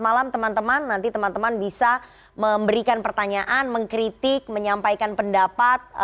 malam teman teman nanti teman teman bisa memberikan pertanyaan mengkritik menyampaikan pendapat